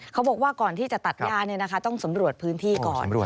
ก่อนที่จะตัดย่าต้องสำรวจพื้นที่ก่อน